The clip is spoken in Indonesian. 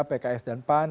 pks dan pan